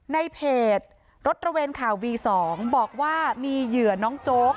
ในเพจรถระเวนข่าววี๒บอกว่ามีเหยื่อน้องโจ๊ก